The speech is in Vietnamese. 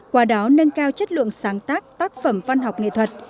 qua đó nâng cao chất lượng sáng tác tác phẩm văn học nghệ thuật